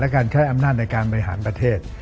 การใช้อำนาจในการบริหารประเทศ